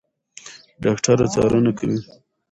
ډاکټره څارنه کوي.